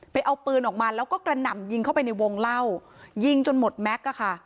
เอาปืนออกมาแล้วก็กระหน่ำยิงเข้าไปในวงเล่ายิงจนหมดแม็กซ์อะค่ะ